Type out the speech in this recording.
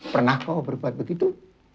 pernah kau berbuat begitu